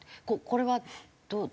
これはどう。